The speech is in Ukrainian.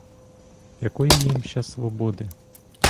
Якої їм ще свободи?